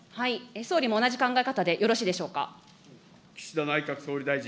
総理も同じ考え方でよろしいでしょうか。